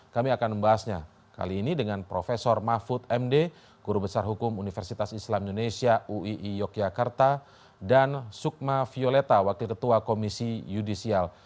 kami akan membahasnya kali ini dengan prof mahfud md guru besar hukum universitas islam indonesia uii yogyakarta dan sukma violeta wakil ketua komisi yudisial